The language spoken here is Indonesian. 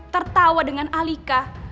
tertawa dengan alika